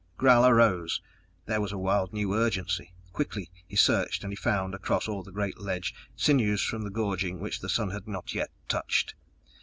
Gral arose. There was a wild new urgency. Quickly he searched and he found, across all the great ledge, sinews from the gorging which the sun had not yet touched.